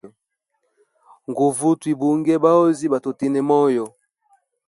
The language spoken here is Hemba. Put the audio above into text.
Nguve twigunge bahozi batutine moyo.